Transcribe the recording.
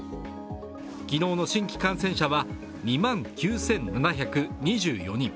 昨日の新規感染者は２万９７２４人。